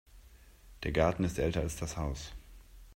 Der Garten ist älter als das Haus.